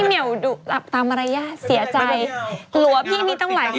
แบบตามมารยาทเสียใจ